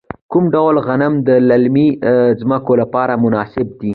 کوم ډول غنم د للمي ځمکو لپاره مناسب دي؟